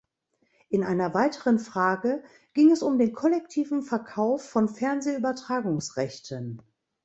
In einer weiteren Frage ging es um den kollektiven Verkauf von Fernsehübertragungsrechten.